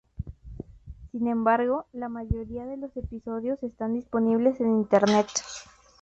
Sin embargo, la mayoría de los episodios están disponibles en Internet.